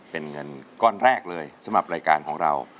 เป็นเงินก้อนแรกเลยสำหรับรายการของเรา